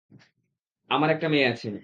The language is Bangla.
আমারও একটা মেয়ে আছে।